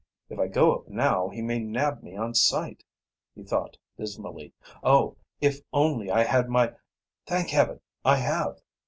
"If I go up now he may nab me on sight," he thought dismally. "Oh, if only I had my thank Heaven, I have!"